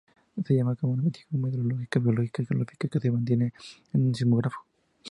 Se lleva a cabo investigación meteorológica, biológica y geológica, y se mantiene un sismógrafo.